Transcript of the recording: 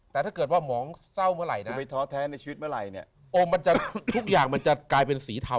แต่ถ้าเกิดว่าหมองเศร้าเมื่อไรได้มีเถอะแท้ในชีวิตเมื่อไรก็มันจะทุกอย่างมันจะกลายเป็นสีทาว